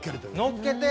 のっけて。